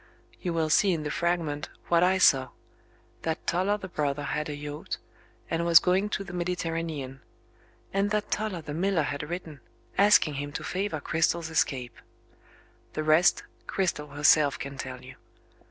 You will see in the fragment, what I saw that Toller the brother had a yacht, and was going to the Mediterranean; and that Toller the miller had written, asking him to favour Cristel's escape. The rest, Cristel herself can tell you.